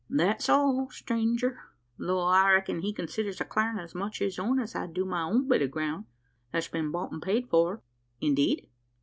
"That's all, stranger; tho' I reckon he considers the clarin' as much his own as I do my bit o' ground, that's been bought an' paid for." "Indeed?"